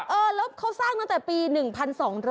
เออแล้วเขาสร้างตั้งแต่ปี๑๒๐๐